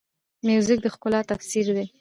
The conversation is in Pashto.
موزیک د ښکلا تفسیر دی.